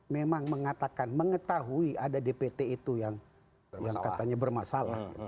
memang mengatakan mengetahui ada dpt itu yang katanya bermasalah